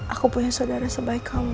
aku punya saudara sebaik kamu